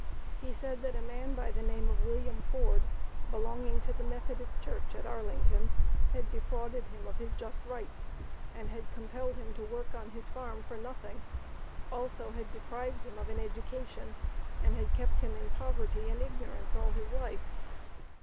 He said that a man by the name of Wm. Ford, belonging to the Methodist Church at Arlington, had defrauded him of his just rights, and had compelled him to work on his farm for nothing; also had deprived him of an education, and had kept him in poverty and ignorance all his life.